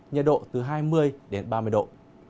nhiệt độ từ hai mươi ba mươi độ